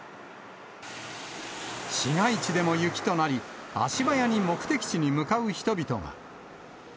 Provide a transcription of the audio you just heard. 市街地でも雪となり、足早に目的地に向かう人々が。